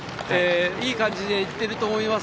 いい感じでいっていると思います。